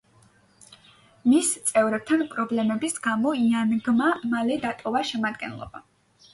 მის წევრებთან პრობლემების გამო, იანგმა მალე დატოვა შემადგენლობა.